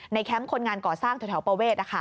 แคมป์คนงานก่อสร้างแถวประเวท